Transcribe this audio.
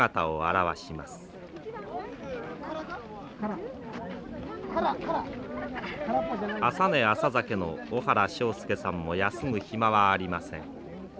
朝寝朝酒の小原庄助さんも休む暇はありません。